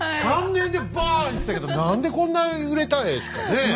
３年でバーッいってたけど何でこんな売れたんですかね？